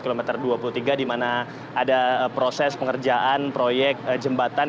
kilometer dua puluh tiga di mana ada proses pengerjaan proyek jembatan